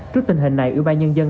trước tình hình này ủy ban nhân dân